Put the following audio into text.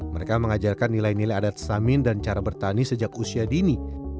mereka mengajarkan nilai nilai adat samin dan cara bertani sejak usia dini